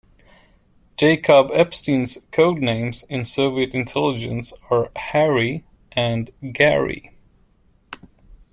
Jacob Epstein's code names in Soviet intelligence are "Harry" and "Garri".